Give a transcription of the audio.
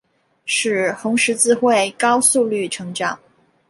使红十字会高速率成长。